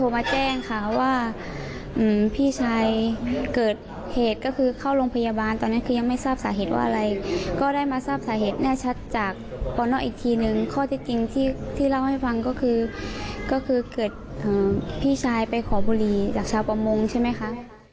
มันเป็นขอบุรีจากชาวประมงใช่ไหมคะ